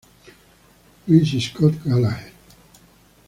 Louis Scott Gallagher.